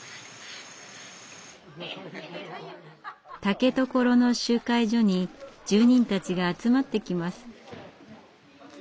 竹所の集会所に住人たちが集まってきます。